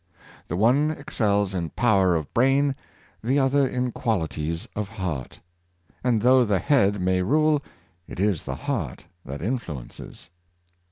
The one ex cels in power of brain, the other in qualities of heart; and though the head may rule, it is the heart that in fluences.